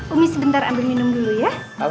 umi sebentar ambil minum dulu ya